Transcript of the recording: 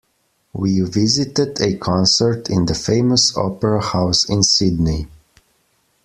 We visited a concert in the famous opera house in Sydney.